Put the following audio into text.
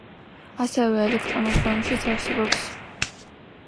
ასევე ელექტრონულ ფორმაშიც არსებობს.